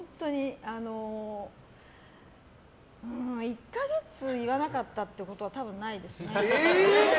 １か月言わなかったってことは多分ないですね。